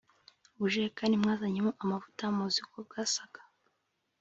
ubujerekani mwazanyemo amavuta muzi uko bwasaga